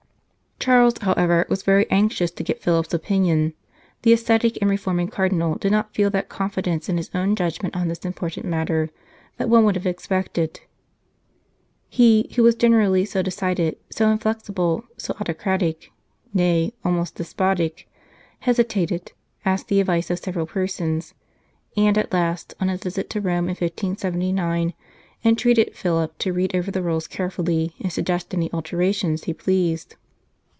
Charles, however, was very anxious to get Philip s opinion. The ascetic and reforming Cardinal did not feel that confidence in his own judgment on this important matter that one would have expected. He, who was generally so decided, so inflexible, so autocratic nay, almost despotic hesitated, asked the advice of several persons, and at last, on his visit to Rome in 1579, entreated Philip to read over the rules carefully, and suggest any alterations he pleased.